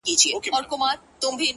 پرتكه سپينه پاڼه وڅڅېدې!